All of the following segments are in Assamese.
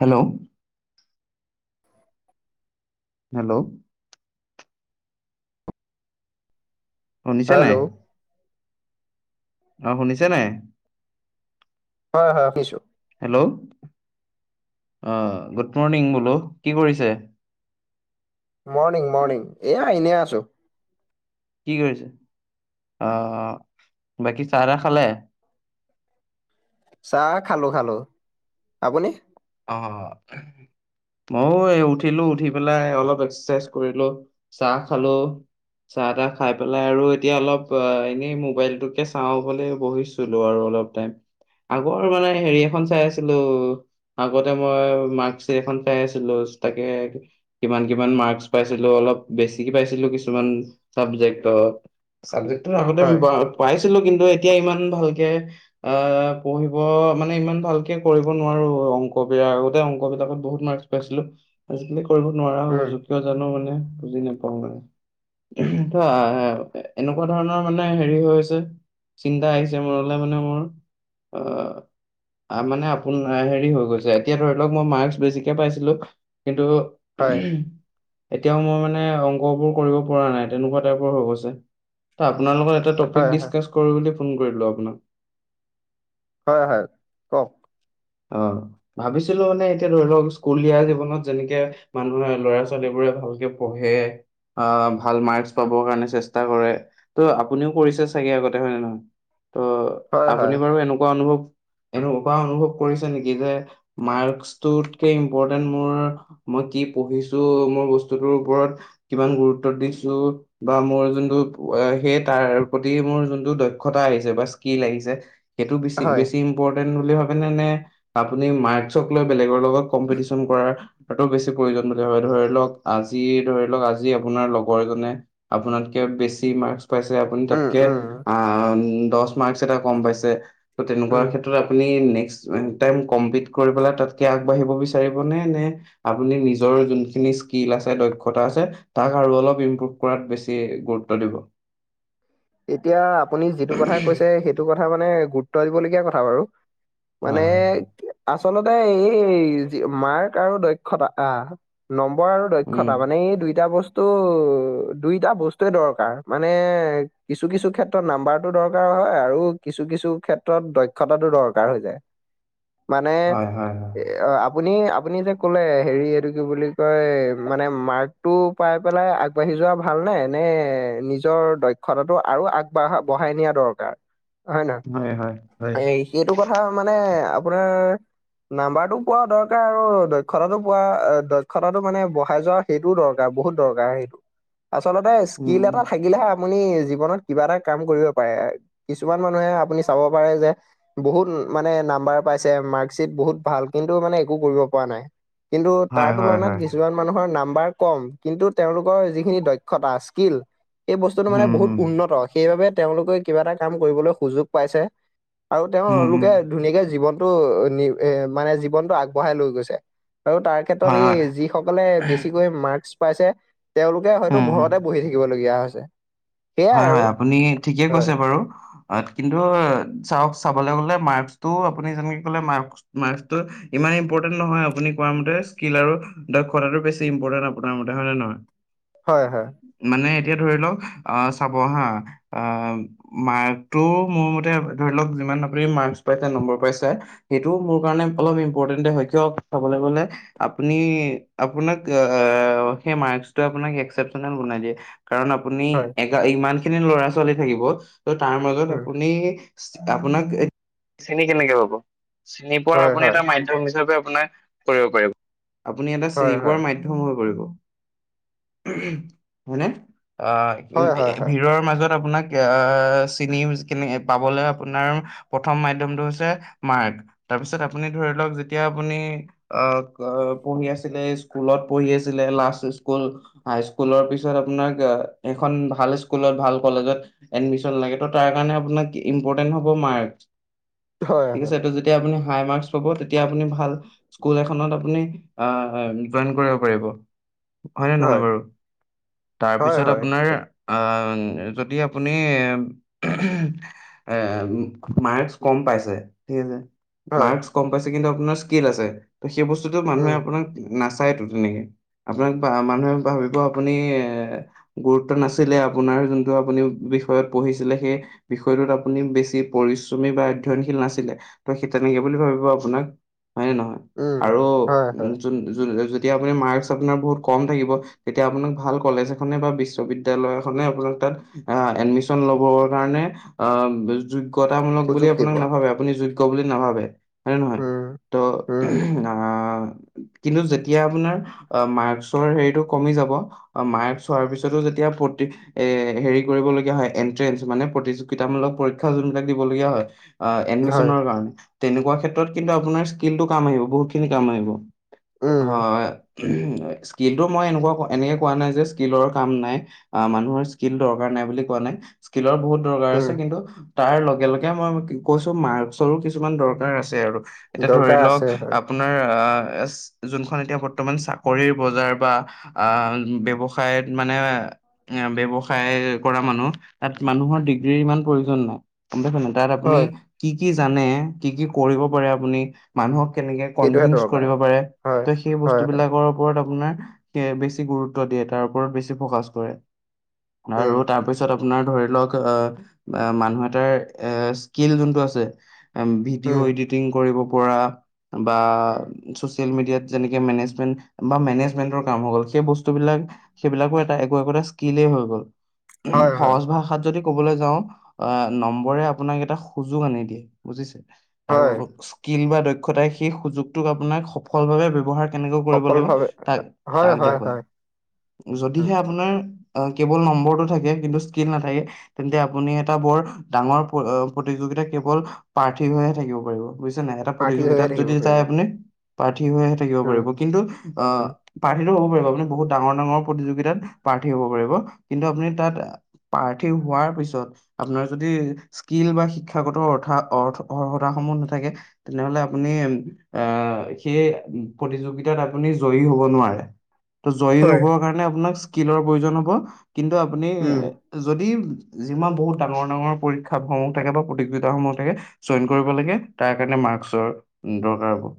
হেল্ল'। হেল্ল'। শুনিছা হেল্ল' নাই? অ' শুনিছে নাই? হয় হয়, শুনিছো। হেল্ল' গুড মৰ্ণিং বোলো কি কৰিছে? মৰ্ণিং মৰ্ণিং এয়া এনে আছো। কি কৰিছে? অ' বাকী চাহ- তাহ খালে? চাহ খালো- খালো আপুনি? অ' ময়ো উঠিলো উঠি পেলাই অলপ এক্সাৰচাইজ কৰিলো চাহ খালো চাহ - তাহ খাই পেলাই আৰু এতিয়া অলপ এনেই মোবাইলটোকে চাওঁ বুলি বহিছিলো আৰু অলপ টাই আগৰ মানে হেৰি এখন চাই আছিলো। আগতে মই মাৰ্কিট এখন চাই আছিলো, তাকে কিমান কিমান মাৰ্ক পাইছিলো অলপ বেছিক পাইছিলো কিছুমান চাবজেক্টত। আগতে হয় পাইছ কিন্তু এতিয়া ইমান ভালকে অ পঢ়িব মানে ইমান ভালকে কৰিব নোৱাৰো অং কবাৰ আগতে অংক বিলাকত বহুত মাৰ্ক পাইছিলো আজিকি কৰিব নোৱাৰা হয় উম গৈছো কিয় জানো মানে, বুজি নাপাও মানে ত এনেকুৱা ধৰণৰ মানে হেৰি হৈ হৈছে চিন্তা আহিছে মনলৈ মানে মোৰ অ মানে আপোন হেৰি হৈ গৈছে, এতিয়া ধৰি লওক মই মাৰ্কছ বেছিকে পাইছিলো। কিন্তু, হয় এতিয়াও মোৰ মানে নে, অংকবোৰ কৰিব পৰা নাই? তেনেকুৱা টাইপৰ হৈ গৈছে। ত' আপোনাৰ লগত এটা টপিক হয় হয় দিচকাছ কৰোঁ বুলি ফোন কৰিলোঁ আপোনাক। হয়, হয়, কওঁক। অ' ভাবিছিলো মানে এতিয়া ধৰি লওক স্কুলীয়া জীৱনত যেনেকে মানুহে লৰা ছোৱালী বোৰে ভালকে পঢ়ে আহ ভাল মাৰ্ক্স পাবৰ কাৰনে চেষ্টা কৰে ত আপুনিও কৰিছে চাগে আগতে হয় নে নহয়? ত হয় হয় আপুনি বাৰু এনেকুৱা অনুভৱ এনকোৱা অনুভৱ কৰিছে নেকি যে মাৰ্ক্সটোতকে ইম্পৰ্টেণ্ট মোৰ, মই কি পঢ়িছোঁ, মোৰ বস্তুটোৰ উপৰত কিমান গুৰুত্ব দিছোঁ, বা মই যো এ সেই তাৰ প্ৰতি মোৰ যোনটো দক্ষতা আহিছে বা স্কিল্ আহিছে সেইটো বেছি হয় বেছি ই্পৰ্ট তেন বুলি ভাবে নে নে আপুনি মাৰ্ক চকলে বেলেগ লগত কম্পিতিছন কৰাৰ টো বেছি প্ৰয়োজন বুলি ভাবে, ধৰি লওক আজি ধৰি লওক আজি আপোনাৰ লগৰ এজনে আপোনাতকে বেছি মাৰ্ক্স পাইছে আপুনি উম তাতকে উম আ দছ মাৰ্ক্স এটা কম পাইছে ত তেনেকুৱা উম ক্ষেত্ৰত আপুনি নে এ টাইম কম্পিত কৰি পেলাই তাতকে আগবাঢ়িব বিচাৰিব নে? নে আপুনি নিজৰ যোনখিনি স্কিল আছে দক্ষতা আছে তাক আৰু অলপ ইম্প্ৰভ কৰাত বেছি গুৰুত্ব দিব? এতিয়া আপুনি যিটো কথা কৈছে সেইটো কথ কথা মানে গুৰুত্ব দিবলগীয়া কথা বাৰু। মানে আচলতে এই এই যি মাৰ্ক আৰু দক্ষতা আহ নম্বৰ আৰু দক্ষতা মানে এই দুইটা বচ তো দুইটা বস্তুয়ে দৰকাৰ মানে কিছু-কিছু ক্ষেত্ৰত নাম্বাৰটো দৰকাৰ হয় আৰু কিছু-কিছু ক্ষেত্ৰত দক্ষতাটো দৰকাৰ হৈ যায়। মানে হয় হয় এ অ, আপ আপুনি- আপুনি যে ক'লে হেৰি এইটো কি বুলি কয় মানে মাৰ্কটো পাই পেলাই আগবাঢ়ি যোৱা ভালনে নে নিজৰ দক্ষ দক্ষতাতো আৰু আগবাঢ়া বঢ়াই নিয়া দৰকাৰ হয় ন' উম হয় হয় হয় হয় হয় হয় এই সেইটো ক কথা মানে আপোনাৰ নাম্বাৰটো পোৱা দৰকাৰ আৰু দক্ষতাটো পোৱা দক্ষতাটো মানে বঢ়াই যোৱা সেইটোও দৰকাৰ বহুত দৰকাৰ সেইটো। আচলতে উম স্কিল এটা থাকিলেহে আপুনি জীৱনত কিবা এটা কাম কৰিব পাৰে কিছুমান মানুহে আপুনি চাব পাৰে যে বহুত মানে নাম্বাৰ পাইছে মাৰ্কশ্বিট বহুত ভাল কিন্তু মানে একো কৰিব পৰা নাই। কিন্তু তাৰ হয় হয় তুলনাত হয় কিছুমান মানুহৰ নাম নাম্বাৰ কম কিন্তু তেওঁলোকৰ যিখিনি দক্ষতা স্কিল এই উম, মানে বহুত হুম, উন্নত সেইবাবে তেওঁলোকে কিবা এটা কাম কৰিবলৈ সুযোগ পাইছে। আৰু হুম, হুম, তেওঁলোকে ধুনীয়াকে জীৱন টো এ মানে জীৱনটো আগবঢ়াই লৈ গৈছে। আৰু তাৰ ক্ষেত্ৰত হয়, এই হয়। যিসকলে বেছিকৈ মাৰ্ক্স পাইছে। তেওঁলোকে হয়তো উম, হুম, ঘৰতে বহি থাকিবলগীয়া হয়। আছে। হয়, হয়, আপুনি ঠিকে কৈছে বাৰু। কিন্তু চাওক চাবলৈ গলে মাৰ্ক্সটো আপুনি যেনেকে কলে মাৰ্ক্স মাৰ্ক্সটো ইমান ইম্পৰ্টেন্ট নহয় আপুনি কোৱা মতে স্কিল আৰু দক্ষতাটো বেছি ইম্পৰ্টেণ্ট আপোনাৰ মতে হয় নে নহয়। হয় হয় মানে এতিয়া ধৰি লওক আ'চাব হা আ' মাৰ্কটো মোৰ মতে ধৰি লওক যিমান আপুনি মাৰ্ক্স পাইছে নম্বৰ পাইছে সেইটো মোৰ মতে অলপ ইম্পৰ্টেণ্টে হয় কিয় চাবলৈ গ'লে আপুনি আপোনাক এ সেই মাৰ্ক্সটোৱে আপোনাক এক্সচেপটেবল বনাই দিয়ে। কাৰণ আপুনি হয় ইমান খিনি ল'ৰা ছোৱালী থাকিব। ত' তাৰ মাজত উম আপুনি আপোনাক চিনি কেনেকে পাব। চিনি পোৱাৰ হয় আপুনি হয় এটা মাধ্যম হিচাপে কৰিব পাৰিব। আপুনি এটা চিনি হয় হয় পোৱাৰ মাধ্যম হৈ পৰিব। হয়নে, অ। উম হয় হয় হয় ভিৰৰ মাজত আপোনাক এ চিনি পাবলৈ আপোনাৰ প্ৰথম মাধ্যমটো হৈছে মাৰ্ক তাৰপিছত আপুনি ধৰি লওক যেতিয়া আপুনি আ' পঢ়ি আছিলে স্কুলত পঢ়ি আছিলে লাষ্ট স্কুল হাই স্কুলৰ পিছত আপোনাক এখন ভাল স্কুলত, ভাল কলেজত এডমিছন লাগে ত' তাৰ কাৰণে আপোনাক ইমপৰ্টেন্ট হব মাৰ্ক্স। হয় ঠিক আছে ত' যেতিয়া আপুনি ভাল মাৰ্ক্স পাব তেতিয়া আপুনি ভাল স্কুল এখনত আপুনি আ' জইন কৰিব পাৰিব। হয়নে নহয় হয় বাৰু। তাৰ হয় পিছত হয় আপোনাৰ আ' উম যদি আপুনি এ মাৰ্ক্স কম পাইছে, ঠিক আছে হয় মাৰ্ক্স কম পাইছে কিন্তু আপোনাৰ স্কিল আছে। ত' সেই বস্তুতটো মানুহে উম আপোনাক নাচা নাচাইতো তেনেকে, আপোনাক বা মানুহে ভাবিব আপুনি এ গুৰুত্ব নাছিলে আপোনাৰ যোনটো আপুনি বিষয়ত পঢ়িছিলে সেই বিষয়টোত আপুনি বেছি পৰিশ্ৰমী বা অধ্যয়নশীল নাছিলে ত' সেই তেনেকে বুলি ভাবিব আপোনাক। হয় নে নহয় উম আৰু হয় হয় তিয়া আপু মাৰ্কচ আপোনাৰ বহুত কম থাকিব তেতিয়া আপোনাক ভাল কলেজ এনে বা বিশালয় আ এমিন ল কাৰণ তামলক বুলি সুযোগ দিব আপোনাক নাভাবে আপুনি য, বুলি নাভাবে, হয় নহয় উম ত উম কিন্ত যেতিয়া আপোনাৰ মকৰ হত কমি যাব ম্কোৱাৰ পি যেতিয়া প্ৰতি এ হেৰি কৰিবলগীয়া হয় এন্ট্ৰেন্ঞ্চ মানে প্ৰতিযোগিতামূলক পৰীক্ষা যোনবিলাক দিবলগীয়া হয়। অ হয় এডমিচনৰ কাৰণে, তেনেকুৱা ক্ষেত্ৰত কিন্তু আপোনাৰ স্কিলটো কাম আহিব বহুত কিনি কাম আহিব। উম অ'। স্কিলটো মই এনেকুৱা এনেকৈ কোৱা নাই যে স্কিলৰ কাম নাই, মানুহৰ স্কিলৰ দৰকাৰ নাই বুলি কোৱা নাই স্কিলৰ বহুত দৰকাৰ উম আছে কিন্তু তাৰ লগে লগে মই কৈছো মাস্কৰো কিছুমান দৰকাৰ আছে আৰু। এতিয়া ধৰি দৰকাৰ লওঁক আছে হয় আপোনাৰ অ'। জোনখন এতিয়া বৰ্তমান চাকৰিৰ বজাৰ বা আহ, ব্যৱসায় মানে ব্যৱসায় কৰা মানুহ, তাত মানুহৰ ডিগ্ৰীৰ ইমান প্ৰয়োজন নাই। [unintelligible] তাৰ আপুনি হয় কি কি জানে কি কি কৰিব পাৰে আপুনি মানুহক কেনেকে সেইটোহে কনভিন্স দৰকাৰ কৰিব পাৰে, হয় ত' সেই বস্তু হয় হয় বিলাকৰ ওপৰত আপোনাৰ বেছি গুৰুত্ব দিয়ে তাৰ ওপৰত বেছি ফকাচ কৰে। আৰু উম তাৰপিছত আপোনাৰ ধৰি লওঁক অ' মানুহ এটাৰ স্কিল যোনটো আছে উম ভিডিঅ' এডিটিং কৰিব পৰা বা উম, চচিয়েল মিডিয়া যেনেকে মেনেজমেন বা মেনেজমেন্টৰ কাম হ'ল সেই বস্তুবিলাক সেইবিলাকৰ এটা একো একোটা স্কিলেই হৈ গ'ল। হয়, হয়, সহজ ভাষাত যদি ক'বলৈ যাওঁ অ' নম্বৰে আপোনাক এটা সুযোগ আনি দিয়ে, বুজিছে। আৰু হয়, স্কিল বা দ দক্ষতাই সেই সুযোগটোক আপোনাক সফলভাৱে ব্যৱহাৰ কেনেকৈ কৰিব সফল লাগে ভাৱে তাক হয়, তাক হয়, দেখুৱাই। হয়, উম, যদিহে আপোনাৰ আ কেৱল নম্বৰটো থাকে কিন্তু স্কিল নাথাকে তেন্তে আপুনি এটা বৰ ডাঙৰ প প্ৰতিযোগিতা কেৱল পাৰ্থী হৈহে থাকিব পাৰিব। বুজিছে নাই, এটা প্ৰাৰ্থী হৈয়ে প্ৰতিযোগিতাত থাকিব যদি পাৰিব। যায় আপুনি প্ৰাৰ্থী হৈহে থাকিব উম, পাৰিব, কিন্তু অ' উম, পাৰ হ'ব পাৰিব আপুনি বহুত ডাঙৰ-ডাঙৰ প্ৰতিযোগিতাত প্ৰাৰ্থী হ'ব পাৰিব কিন্তু আপুনি তাত প্ৰাৰ্থী হোৱাৰ পিছত আপোনাৰ যদি স্কিল বা শিক্ষাগত অৰ্থা অৰ্থ সমূহ নাথাকে তেনেহ'লে আপুনি এ সেই প্ৰতিযোগিতাত আপুনি জয়ী হ'ব নোৱাৰে। জয়ী হয়, হ'বৰ কাৰণে আপোনাক স্কিলৰ প্ৰয়োজন হ'ব কিন্তু আপুনি উম, যদি যিমান বহুত ডাঙৰ-ডাঙৰ পৰীক্ষা সমূহ থাকে বা প্ৰতিযোগিতাসমূহ থাকে জইন কৰিব লাগে তাৰ কাৰণে মাৰ্কচৰ দৰকাৰ হ' ব।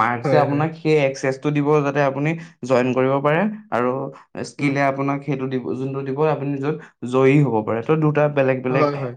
মাৰ্কচ এ হয়, হয়, আপোনাক সেই একচেছ টো দিব যাতে আপুনি জইন কৰিব পাৰে আৰু উম, স্কিলে আপোনাক সেইটো দিব যোনটো দিব আপুনি নিজ জয়ী হ'ব পাৰে ত' দুটা বেলেগ- বেলেগ হয়, হয়,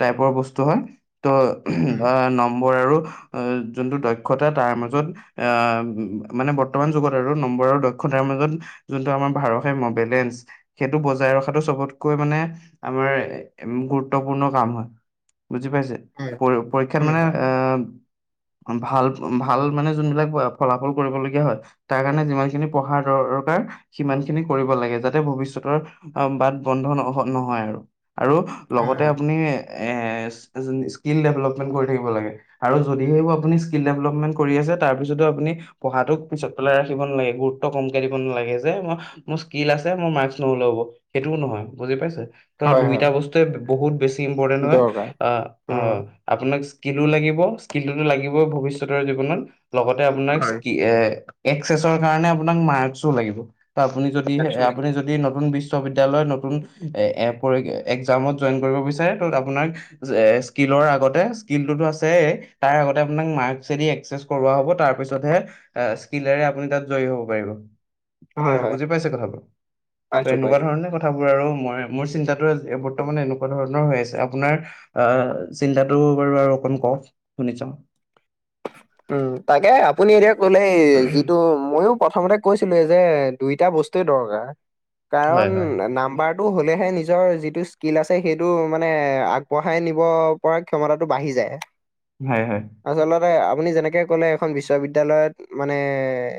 টাইপৰ বস্তু হয়। ত' উম, ন নম্বৰ আৰু এ জোনটো দক্ষতা তাৰ মাজত এ মানে বৰ্তমান যুগত আৰু নম্বৰ আৰু দক্ষ ক্ষতাৰ মাজত যোনটো আমাৰ ভাৰসাম্য বেলেঞ্চ সেইটো বজাই ৰখাটো চবতকৈ মানে আমাৰ গুৰুত্বপূৰ্ণ কাম হয়। বুজি পাইছে, হয়, পৰ পৰীক্ষাত হয়, মানে হয়, আ ভাল- ভাল মানে যোনবিলাক ফলাফল কৰিবলগীয়া হয়, তাৰ কাৰণে যিমান খিনি পঢ়াৰ দৰকাৰ, সিমান খিনি কৰিব লাগে যাতে ভৱিষ্যতৰ বাট বন্ধ ন নহয় আৰু। আৰু হয়, লগতে হয়, আপুনি এ স্কিল ডেভেলপমেন্ট কৰি থাকিব লাগে, আৰু যদিহে বোৰ আপুনি স্কিল ডেভেলপমেন্ট কৰি আছে তাৰ পিছতো আপুনি পঢ়াতোক পিছত পেলাই ৰাখিব নালাগে গুৰ ৰুত্ত কমকে দিব নালাগে যে মই মোৰ স্কিল আছে মোৰ মাৰ্কছ নহ'লেও হ'ব, সেইটোও নহয় বুজি পাইছে। ত' হয়, হয়, দুইটা বস্তুৱে বহুত বেচ চি ইম্পৰ্টেণ্ট হয়, দৰকাৰ আ-আ উম, আপোনাক স্কিলো লাগিব স্কিলতোটো লাগিবই ভৱিষ্যতৰ জীৱনত লগতে আপোনাক হয়। স্কি এ এক্সেছৰ কাৰণে আপোনাক মাৰ্কছো লাগিব। ত' আপুনি যদি পাইছো লাগিব, আপুনি যদি নতুন বিছ বিশ্ববিদ্য়ালয় নতুন এ একজামত জইন কৰিব বিচাৰে ত' আপোনাক স্কিলৰ আগতে স্কিল টোতো আছেই তাৰ আগতে আপোনাক মাৰ্কদি এক্সেছ কৰোৱা হ'ব তাৰ পিছতহে স্কিলৰে আপুনি তাত জয় হ'ব। বাঢ়িব হয়, ত হয়, বুজি পাইছে কথাবোৰ ত পাইছো, এনেকুৱা পাইছো, ধৰণে কথা মই মোৰ চিন্তটো বৰ্তমান এনেকুৱা ধৰণৰ হৈ আছে আপোনাৰ আহ চিন্তাটো বাৰু আৰু অকণ ক শুনিছা উম তাকে আপুনি এতিয়া বলে যিটো মইয়ো প্ৰথমতে কৈছিলো এই যে দুইটা বস্তুৱে দৰকাৰ কাৰণ হয় হয় নাম্বাৰটো হ'লেহে নিজৰ যিটো [unintelligible] ল আছে সেইটো মানে আগবঢ়াই নিব পৰা ক্ষমতাটো বাঢ়ি যায় হয় হয় আচলতে আপুনি যেনেকে কলে, এখন বিশ্ববিদ্যয়ালয়ত মানে,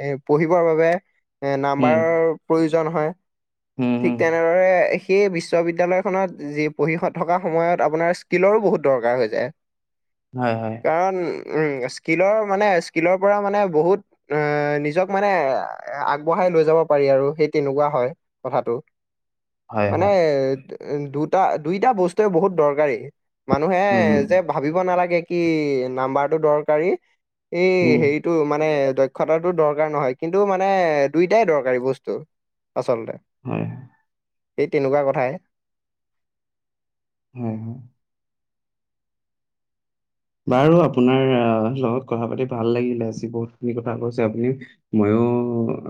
এ পঢ়িবৰ বাবে- এ উম নাম্বাৰৰ প্ৰয়োজন- [unintelligible] উম ঠিক উম তেনেদৰে- সেই বিশ্ববিদ্য়ালয়খনত যি পঢ়ি থকা সময়ত, আপোনাৰ স্কিলৰো বহুত দৰকাৰ হৈ যায়। হয় হয় কাৰণ- উ' স্কিলৰ মানে, স্কিলৰ পৰা মানে বহুত নিজক, মানে আগবঢ়াই লৈ যাব পাৰি আৰু সেই তেনেকুৱা হয় কথাটো। হয় হয় মানে- উ' দুটা-দুইটা বস্তুৱে বহুত দৰকাৰী। মানুহে উম যে ভাবিব নালাগে- কি নাম্বাৰ- টো দৰকাৰী- এই উম হেৰিটো মানে- দক্ষতাটো দৰকাৰ নহয়, কিন্তু মানে দুইটাই দৰকাৰী বস্তু। আচলতে- হয় এই তেনেকুৱা কথাই। হয়-হয়। বাৰু আপোনাৰ লগত কথা পাতি ভাল লাগিলে। আজি বহুতখিনি কথা কৈছে আপুনি। ময়ো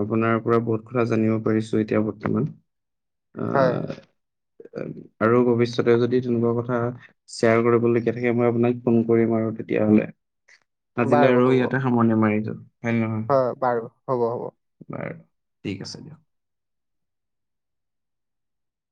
আপোনাৰ পৰা বহুত কথা জানিব পাৰিছো এতিয়া, বৰ্তমান। হয় অ' আৰু ভৱিষ্যতে যদি তেনেকুৱা কথা শ্বেয়াৰ কৰিবলগীয়া থাকে, মই আপোনাক- ফোন কৰিম আৰু তেতিয়াহ'লে। আজিলে বাৰু আৰু হ'ব ইয়াতে সামৰণি মাৰি যল। হয়, বাৰু হ'ব-হ'ব। বাৰু ঠিক আছে দিয়ক।